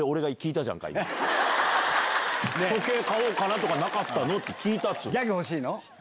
時計買おうかなとかなかったの？って聞いたっつうの。